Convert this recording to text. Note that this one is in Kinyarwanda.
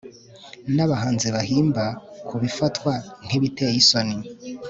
n'abahanzi bahimba ku bifatwa nk'ibiteye isoni